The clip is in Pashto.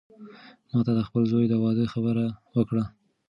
ما ته د خپل زوی د واده خبره وکړه.